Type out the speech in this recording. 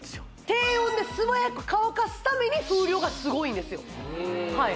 低温で素早く乾かすために風量がすごいんですよ